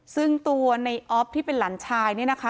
ซึ่งตัวในออฟที่เป็นหลานชายเนี่ยนะคะ